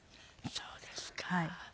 そうですか。